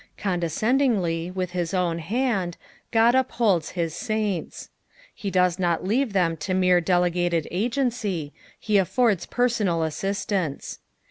Con descendingly, with his own hand, Qod upholds bis saints ; he does not leave them to mere deleguted agency, he aflprds personal auistance.